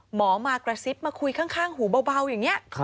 หมอมากระซิบมาคุยข้างหูเบาอย่างนี้